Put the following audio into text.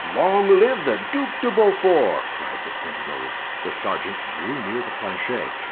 "Long live the Duc de Beaufort!" cried the sentinels. The sergeant drew near to Planchet.